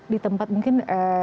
di tempat mungkin